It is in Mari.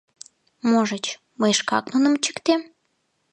— Можыч, мый шкак нуным чиктем?